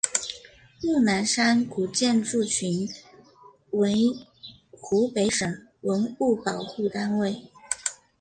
木兰山古建筑群为湖北省文物保护单位。